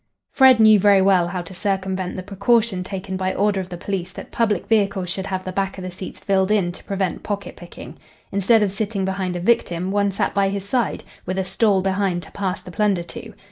Fred knew very well how to circumvent the precaution taken by order of the police that public vehicles should have the back of the seats filled in to prevent pocket picking. Instead of sitting behind a victim, one sat by his side, with a "stall" behind to pass the plunder to.